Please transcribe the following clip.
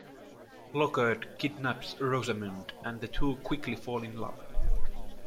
Lockhart kidnaps Rosamund, and the two quickly fall in love.